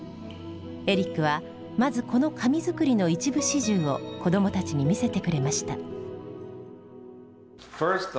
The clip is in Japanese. エリックはまずこの紙作りの一部始終を子どもたちに見せてくれました。